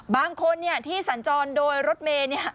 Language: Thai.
บางคนที่สัญจรโดยรถเมย์